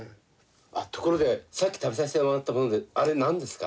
あところでさっき食べさせてもらったものであれ何ですか？